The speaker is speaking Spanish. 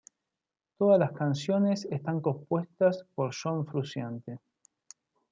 Todas las canciones están compuestas por John Frusciante